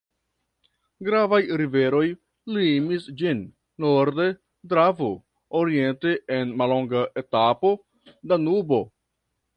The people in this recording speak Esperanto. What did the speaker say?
Gravaj riveroj limis ĝin: norde Dravo, oriente en mallonga etapo Danubo.